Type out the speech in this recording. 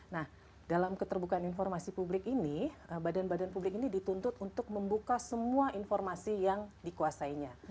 nah dalam keterbukaan informasi publik ini badan badan publik ini dituntut untuk membuka semua informasi yang dikuasainya